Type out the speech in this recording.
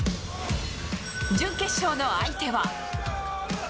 準決勝の相手は。